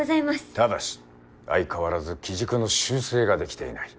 ただし相変わらず機軸の修正ができていない。